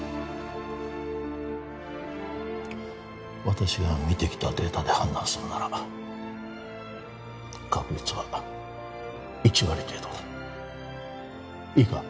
私が見てきたデータで判断するなら確率は１割程度だいいか？